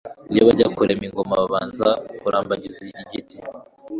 Iyo bajya kurema ingoma babanza kurambagiza igiti,